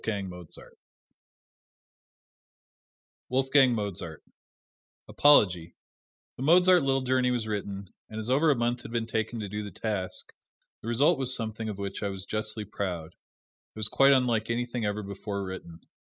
Dudley Buck WOLFGANG MOZART Apology: The Mozart "Little Journey" was written, and as over a month had been taken to do the task, the result was something of which I was justly proud. It was quite unlike anything ever before written.